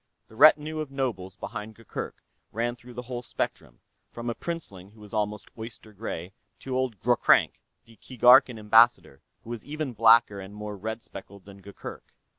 The retinue of nobles behind Gurgurk ran through the whole spectrum, from a princeling who was almost oyster gray to old Ghroghrank, the Keegarkan Ambassador, who was even blacker and more red speckled than Gurgurk.